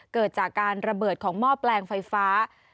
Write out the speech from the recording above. เกิดจากการระเบิดของหม้อแปลงไฟฟ้า